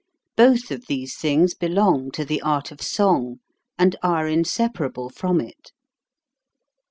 Both of these things belong to the art of song, and are inseparable from it.